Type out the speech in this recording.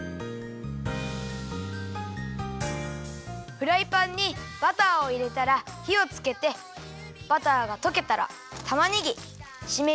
フライパンにバターをいれたらひをつけてバターがとけたらたまねぎしめじをいれていためます。